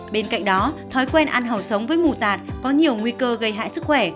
bên cạnh đó thói quen ăn hầu sống với mù tạt có nhiều nguy cơ gây hại sức khỏe